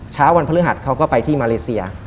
เช้าวันพฤหัสเขาก็ไปที่มาเลเซีย